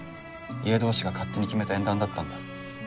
家同士が勝手に決めた縁談だったんだ。